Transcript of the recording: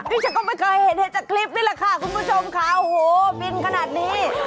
ที่ฉันก็ไม่เคยเห็นเห็นจากคลิปนี่แหละค่ะคุณผู้ชมค่ะโอ้โหบินขนาดนี้